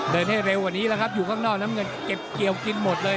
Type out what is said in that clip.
ให้เร็วกว่านี้แล้วครับอยู่ข้างนอกน้ำเงินเก็บเกี่ยวกินหมดเลย